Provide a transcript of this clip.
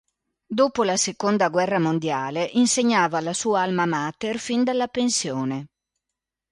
Dopo la seconda guerra mondiale insegnava alla sua alma mater fin dalla pensione.